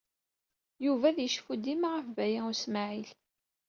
Yuba ad yecfu dima ɣef Baya U Smaɛil.